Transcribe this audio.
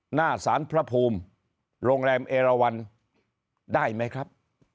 หน้าสารพระภูมิโรงแรมเอราวันได้ไหมครับ